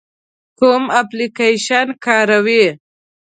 کوم اپلیکیشن کاروئ؟